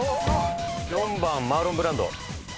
４番マーロン・ブランド。